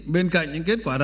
bên cạnh những kết quả của mình